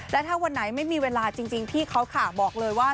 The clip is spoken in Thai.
และถ้าวันไหนไม่มีเวลาจริงพี่เขาค่ะบอกเลยว่า